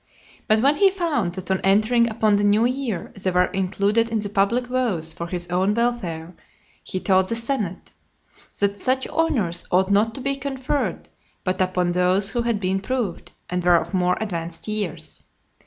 But when he found that on entering upon the new year they were included in the public vows for his own welfare, he told the senate, "that such honours ought not to be conferred but upon those who had been proved, and were of more advanced years."